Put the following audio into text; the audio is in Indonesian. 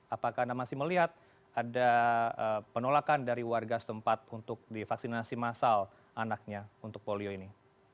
apakah anda masih melihat ada penolakan dari warga setempat untuk divaksinasi masal anaknya untuk polio ini